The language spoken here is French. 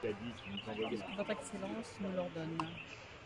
Puisque Votre Excellence me l'ordonne.